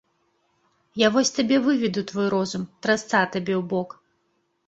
Я вось табе выведу твой розум, трасца табе ў бок!